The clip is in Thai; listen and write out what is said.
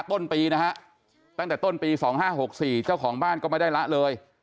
ต้นปีนะฮะตั้งแต่ต้นปี๒๕๖๔เจ้าของบ้านก็ไม่ได้ละเลย